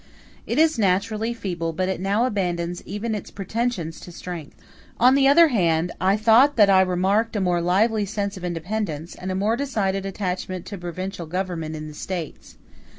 It is naturally feeble, but it now abandons even its pretensions to strength. On the other hand, I thought that I remarked a more lively sense of independence, and a more decided attachment to provincial government in the States.